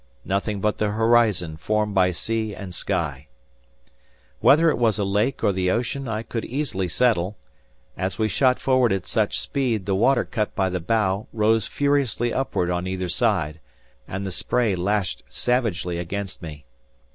Nothing but the horizon formed by sea and sky! Whether it was a lake or the ocean I could easily settle. As we shot forward at such speed the water cut by the bow, rose furiously upward on either side, and the spray lashed savagely against me.